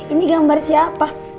ini gambar siapa